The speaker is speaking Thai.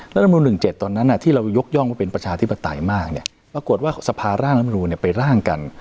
รัฐมนุน๑๗ตอนนั้นที่เรายกย่องว่าเป็นประชาธิปไตยมากเนี่ยปรากฏว่าสภาร่างรัฐมนูลไปร่างกัน